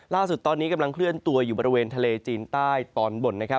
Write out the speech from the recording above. ล่าสุดตอนนี้กำลังเคลื่อนตัวอยู่บริเวณทะเลจีนใต้ตอนบน